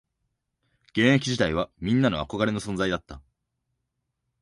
現役時代はみんな憧れの存在だった